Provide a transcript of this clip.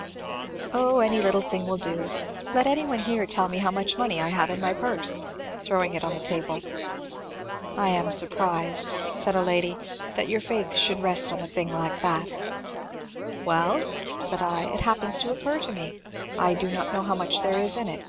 ^^ Oh, any little thing will do. Let any one here tell me how much money I have in my purse " (throwing it on the table). ^^ I am surprised," said a lady, ^^ that your faith should rest on a thing like that." ^^Well," said I, ^^it happens to occur to me. I do not know how much there is in it."